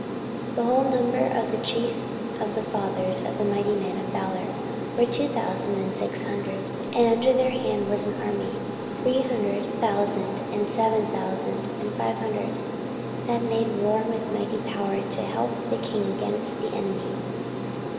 14:026:012 The whole number of the chief of the fathers of the mighty men of valour were two thousand and six hundred. 14:026:013 And under their hand was an army, three hundred thousand and seven thousand and five hundred, that made war with mighty power, to help the king against the enemy.